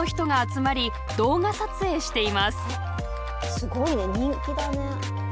すごいね人気だね。